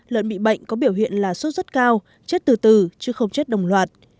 lợn bị bệnh có biểu hiện là sốt rất cao chết từ từ chứ không chết đồng loạt